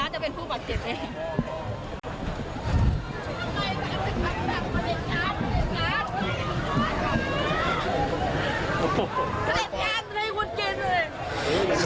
จะเป็นผู้หศตริย์นะ